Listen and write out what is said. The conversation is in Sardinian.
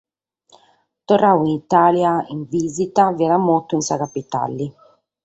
Torradu in Itàlia in bìsita, fiat mortu in sa capitale.